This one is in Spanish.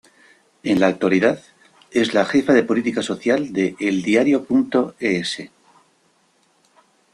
En la actualidad es la jefa de política social de eldiario.es.